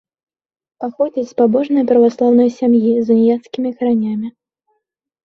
Паходзіць з пабожнай праваслаўнай сям'і з уніяцкімі каранямі.